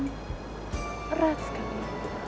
dan erat sekali